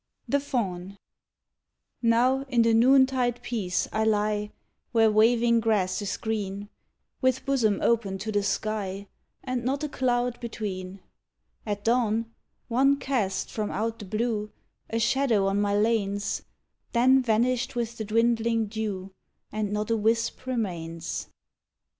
76 THE FAUN Now in the noontide peace I lie Where waving grass is green, With bosom open to the sky And not a cloud between; At dawn, one cast from out the blue A shadow on my lanes, Then vanished with the dwindling dew And not a wisp remains.